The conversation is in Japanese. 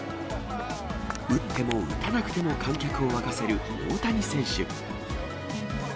打っても打たなくても観客を沸かせる大谷選手。